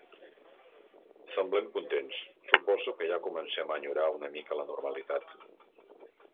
Semblem contents, suposo que ja comencem a enyorar una mica la normalitat.